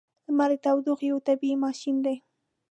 • لمر د تودوخې یو طبیعی ماشین دی.